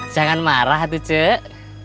jangan marah tuh cuk